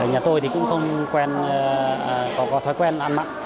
nhà tôi thì cũng không quen có thói quen ăn mặn